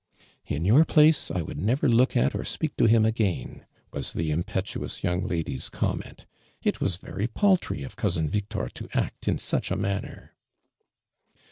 " In your place I would nevei look at or speak to him again !" was the impetuous young lady's comment. •' it was very paltry of cousin Victor to act in such a manner